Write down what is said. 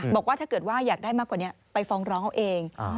บอกว่าถ้าเกิดว่าอยากได้มากกว่านี้ไปฟ้องร้องเอาเอง